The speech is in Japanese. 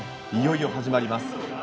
いよいよ始まります。